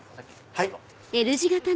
はい。